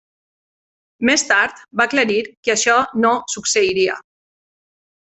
Més tard, va aclarir que això no succeiria.